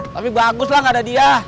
tapi bagus lah gak ada dia